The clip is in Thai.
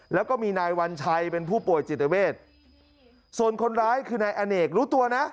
แล้วก็มีนายวัญชัยเป็นผู้ป่วยจิตเวทส่วนคนร้ายคือนายอเนกรู้ตัวนะ